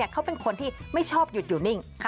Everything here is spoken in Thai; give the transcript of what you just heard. เขาเป็นคนที่ไม่ชอบหยุดอยู่นิ่ง